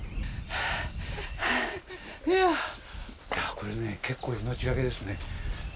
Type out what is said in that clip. これ、結構命がけですね。